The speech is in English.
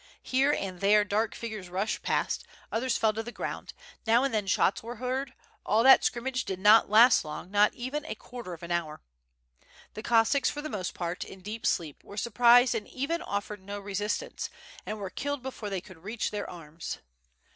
Here and there dark figures rushed past, others fell to the ground, now and then shots were heard; all that scrimmage did not last long, not even a quarter of an hour. The Cossacks for the most part, in deep sleep, were surprised y^o WITH FIRE AND SWORD. and even offered no resistance, and were killed before they could reach their arms.